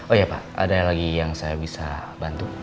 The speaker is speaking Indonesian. oh iya pak ada lagi yang saya bisa bantu